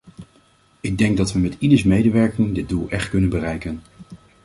Ik denk dat we met ieders medewerking dit doel echt kunnen bereiken.